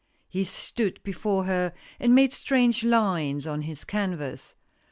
He stood before her and made strange lines on his canvas.